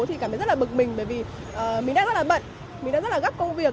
thì cảm thấy rất là bực mình bởi vì mình đang rất là bận mình đã rất là gấp công việc